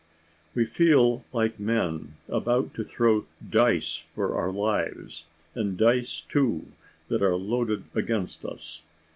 We feel like men about to throw dice for our lives, and dice too that are loaded against us!